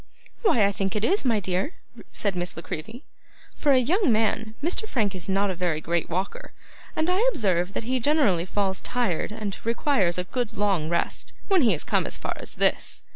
'Why I think it is, my dear,' said Miss La Creevy. 'For a young man, Mr Frank is not a very great walker; and I observe that he generally falls tired, and requires a good long rest, when he has come as far as this.